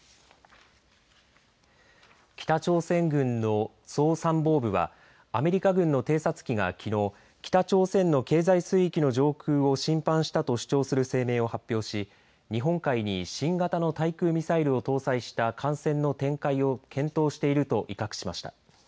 北朝鮮軍の総参謀部はアメリカ軍の偵察機が、きのう北朝鮮の経済水域の上空を侵犯したと主張する声明を発表し日本海に新型の対空ミサイルを搭載した艦船の展開を検討していると威嚇しました。